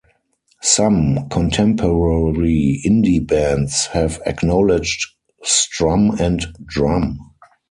Some contemporary indie bands have acknowledged Strum and Drum!